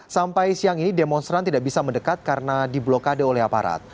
sampai siang ini demonstran tidak bisa mendekat karena diblokade oleh aparat